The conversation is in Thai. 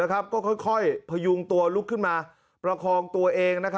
ก็ค่อยพยุงตัวลุกขึ้นมาประคองตัวเอง